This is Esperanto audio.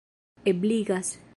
ebligas